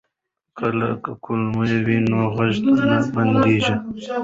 که کلیوال وي نو غږ نه بندیږي.